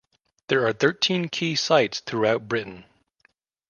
There are thirteen key sites throughout Britain.